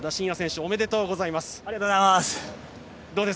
ありがとうございます。